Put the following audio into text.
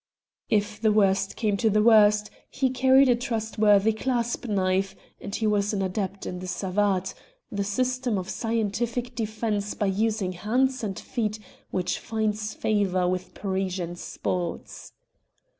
If the worst came to the worst he carried a trustworthy clasp knife, and he was an adept in the savate the system of scientific defence by using hands and feet which finds favour with Parisian "sports."